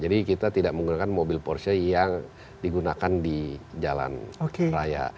jadi kita tidak menggunakan mobil porsche yang digunakan di jalan raya